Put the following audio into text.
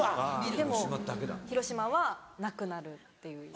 でも広島は「なくなる」っていう意味。